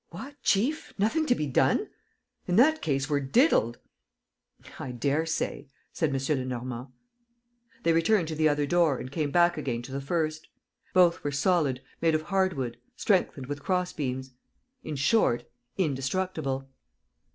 "What, chief, nothing to be done? In that case, we're diddled!" "I dare say!" said M. Lenormand. ... They returned to the other door and came back again to the first. Both were solid, made of hard wood, strengthened with cross beams ... in short, indestructible.